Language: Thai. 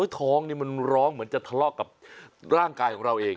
ท้องนี่มันร้องเหมือนจะทะเลาะกับร่างกายของเราเอง